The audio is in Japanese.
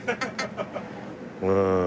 うん。